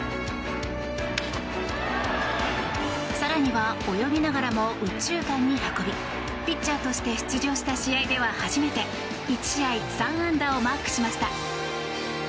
更には泳ぎながらも右中間に運びピッチャーとして出場した試合では始めて１試合３安打をマークしました。